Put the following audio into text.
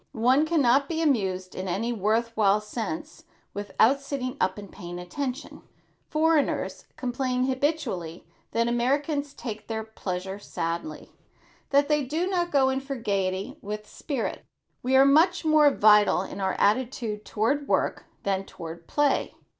One can not be amused in any worth while sense without sitting up and paying attention. Foreigners complain habitually that Americans take their pleasure sadly, that they do not go in for gaiety with spirit. We are much more vital in our attitude toward work than toward play.